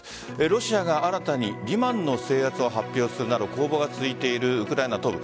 ロシアが新たにリマンの制圧を発表するなど攻防が続いているウクライナ東部。